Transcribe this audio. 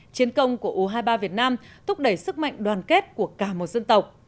chiến công của u hai mươi ba việt nam thúc đẩy sức mạnh đoàn kết của cả một dân tộc